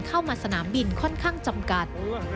เข้ามาสนามบินค่อนข้างจำกัด